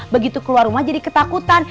begitu keluar rumah jadi ketakutan